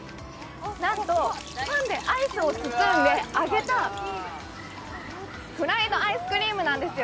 なんとパンでアイスを包んで揚げたフライドアイスクリームなんですよ。